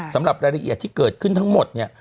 สำหรับรายละเอียดที่เกิดขึ้นทั้งหมดเนี่ย